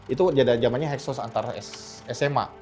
itu jamannya heksos antara sma